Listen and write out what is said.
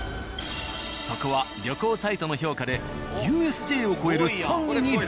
そこは旅行サイトの評価でＵＳＪを超える３位にランクイン。